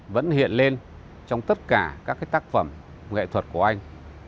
vẫn hiện lên trong tất cả các tác phẩm nghệ thuật của anh